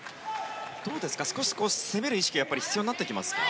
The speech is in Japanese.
少し攻める意識が必要になってきますか？